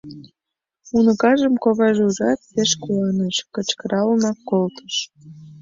Уныкажым коваже ужат, пеш куаныш, кычкыралынак колтыш.